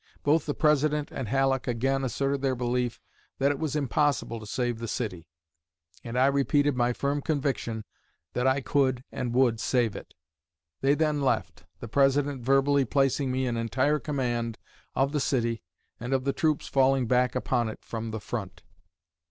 Both the President and Halleck again asserted their belief that it was impossible to save the city, and I repeated my firm conviction that I could and would save it. They then left, the President verbally placing me in entire command of the city and of the troops falling back upon it from the front."